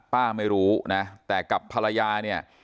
ป้าไม่รู้นะแต่กับภรรยาเนี่ย